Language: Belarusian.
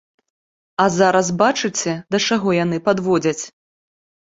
А зараз бачыце, да чаго яны падводзяць.